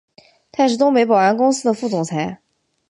他也是东北保安公司的副总裁。